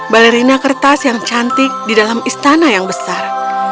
balerina kertas yang cantik di dalam istana yang besar